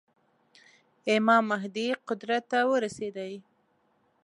امام مهدي قدرت ته ورسېدی.